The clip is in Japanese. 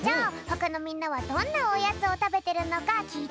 ほかのみんなはどんなおやつを食べてるのか聞いてみよう！